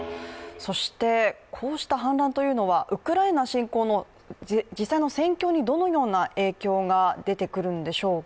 そしてこうした反乱というのは、ウクライナ侵攻の実際の戦況にどのような影響が出てくるんでしょうか。